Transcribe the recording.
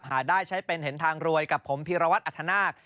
หาได้ใช้เป็นเห็นทางรวยกับผมพีรวัตรอัธนาค